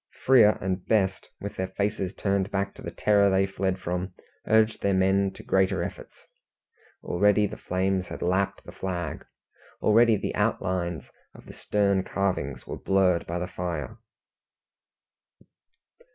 Frere and Best, with their faces turned back to the terror they fled from, urged the men to greater efforts. Already the flames had lapped the flag, already the outlines of the stern carvings were blurred by the fire.